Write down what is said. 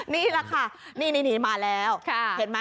นี่แหละค่ะนี่มาแล้วเห็นไหม